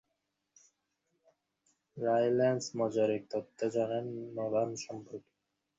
রায়লেন্স মজার এক তথ্য জানান নোলান সম্পর্কে।